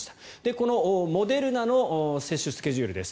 このモデルナの接種スケジュールです。